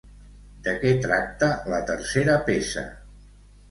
De què tracta la tercera peça?